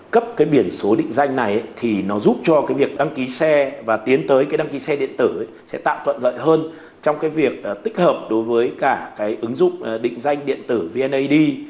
cấp cái biển số định danh này thì nó giúp cho cái việc đăng ký xe và tiến tới cái đăng ký xe điện tử sẽ tạo thuận lợi hơn trong cái việc tích hợp đối với cả cái ứng dụng định danh điện tử vneid